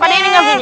fadeh ini gak gini